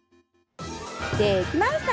できました。